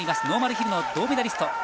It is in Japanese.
ノーマルヒルの銅メダリスト。